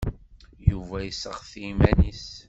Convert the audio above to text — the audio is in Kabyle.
Yuba yesseɣti iman-is.